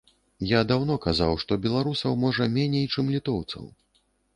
Я даўно казаў, што беларусаў, можа, меней, чым літоўцаў.